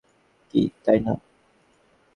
কী, তাই না?